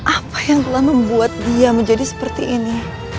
apa yang telah membuat dia menjadi seperti ini